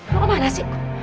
rum mana sih